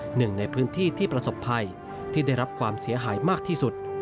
หนึ่งในพื้นที่ที่ประสบภัยที่ได้รับความเสียหายมากที่สุด